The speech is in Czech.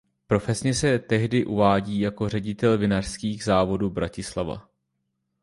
Profesně se tehdy uvádí jako ředitel Vinařských závodů Bratislava.